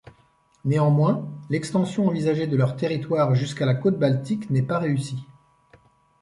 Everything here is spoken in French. Néanmoins, l'extension envisagée de leurs territoires jusqu'à la côte Baltique n'est pas réussie.